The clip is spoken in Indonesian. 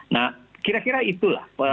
nah kira kira itulah